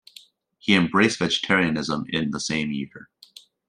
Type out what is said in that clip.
He embraced vegetarianism in the same year.